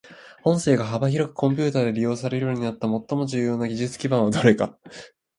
音声が幅広くコンピュータで利用されるようになった最も重要な技術基盤はどれか。